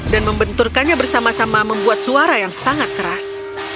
dan membenturkannya bersama sama membuat suara yang sangat keras